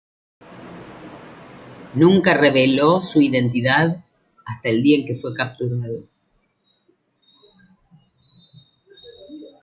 Nunca reveló su identidad hasta el día en que fue capturado.